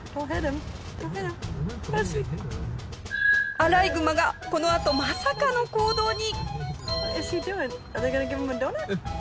アライグマがこのあとまさかの行動に！